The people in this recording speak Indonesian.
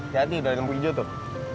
jadi dari lembu hijau tuh